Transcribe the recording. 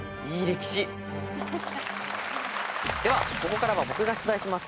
ではここからは僕が出題します。